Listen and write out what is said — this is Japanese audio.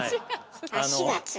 足がつる。